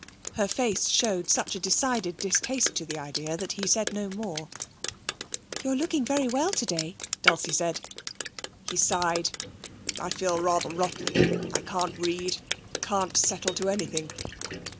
Her face showed such a decided distaste to the idea that he said no more. 'You're looking very well today,' Dulcie said. He sighed. 'I feel rather rotten. I can't read, can't settle to anything.'